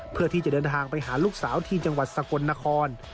เพื่อที่จะเดินทางไปหาลูกสาวที่จังหวัดสกลนคร